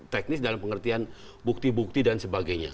teknis dalam pengertian bukti bukti dan sebagainya